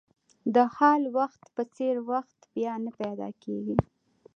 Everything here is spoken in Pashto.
د حال وخت په څېر وخت بیا نه پیدا کېږي.